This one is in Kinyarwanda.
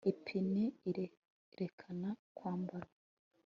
Ipine irerekana kwambara